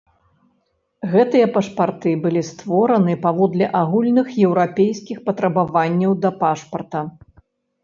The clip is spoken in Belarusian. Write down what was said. Гэтыя пашпарты былі створаны паводле агульных еўрапейскіх патрабаванняў да пашпарта.